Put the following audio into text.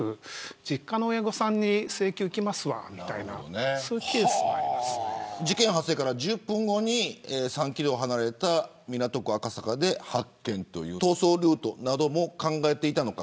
実家の親御さんに請求がいきますわみたいな事件発生から１０分後に３キロ離れた港区赤坂で発見ということで逃走ルートなども考えていたのか。